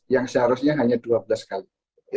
yang seharusnya hanya dua belas kali